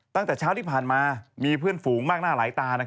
ตั้งแต่เช้าที่ผ่านมามีเพื่อนฝูงมากหน้าหลายตา